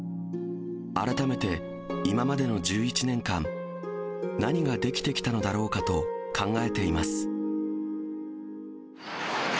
改めて、今までの１１年間、何ができてきたのだろうかと考えています。